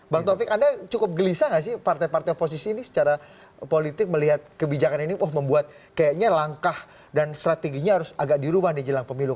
bang taufik anda cukup gelisah nggak sih partai partai oposisi ini secara politik melihat kebijakan ini wah membuat kayaknya langkah dan strateginya harus agak dirubah nih jelang pemilu